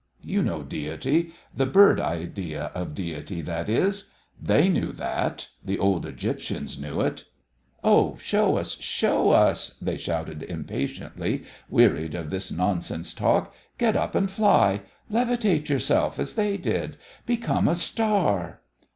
You know deity the bird idea of deity, that is. They knew that. The old Egyptians knew it." "Oh, show us, show us!" they shouted impatiently, wearied of his nonsense talk. "Get up and fly! Levitate yourself, as they did! Become a star!"